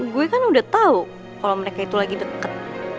gue kan udah tahu kalau mereka itu lagi deket